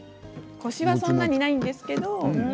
コシはそんなにないんですけど。